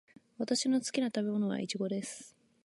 私の好きな食べ物はイチゴです。